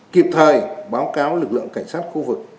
kịp thời báo cáo lực lượng cảnh sát khu vực